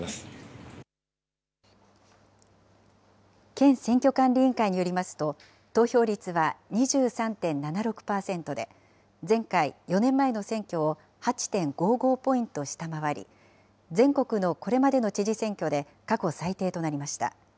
県選挙管理委員会によりますと、投票率は２３．７６％で、前回・４年前の選挙を８．５５ポイント下回り、全国のこれまでの知事選挙で過去最低となりました。